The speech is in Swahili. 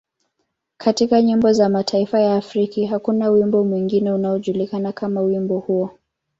Katika nyimbo za mataifa ya Afrika, hakuna wimbo mwingine unaojulikana kama wimbo huo.